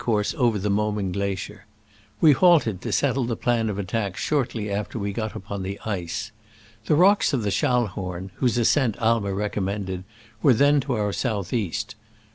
107 course over the Morning glacier. We halted to settle the plan of attack short ly after we got upon the ice. The rocks of the Schallhorn, whose ascent Aimer recommended, were then to our south east.